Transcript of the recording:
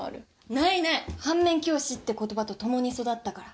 ないない反面教師って言葉と共に育ったから。